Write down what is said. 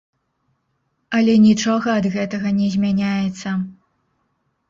Але нічога ад гэтага не змяняецца.